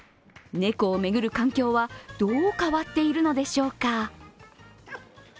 猫を巡る環境は、どう変わっているのでしょうか。